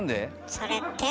それって？